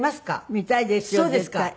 見たいですよ絶対。